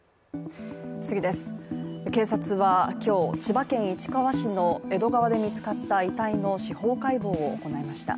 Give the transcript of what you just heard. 警察は今日、千葉県市川市の江戸川で見つかった遺体の司法解剖を行いました。